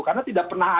karena tidak pernah ada